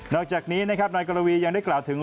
อกจากนี้นะครับนายกรวียังได้กล่าวถึง